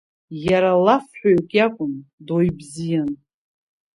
Иара лафҳәаҩык иакәын, дуаҩ бзиан.